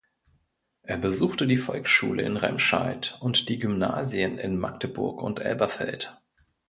Er besuchte die Volksschule in Remscheid und die Gymnasien in Magdeburg und Elberfeld.